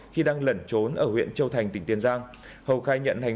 khi đang lẩn trốn ở huyện châu thành tỉnh tiền giang